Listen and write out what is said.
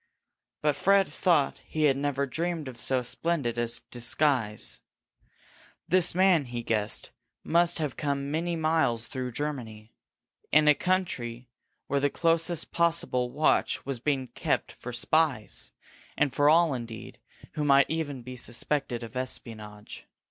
But Fred thought he had never dreamed of so splendid a disguise. This man, he guessed, must have come many miles through Germany, in a country where the closest possible watch was being kept for spies, and for all, indeed, who might even be suspected of espionage.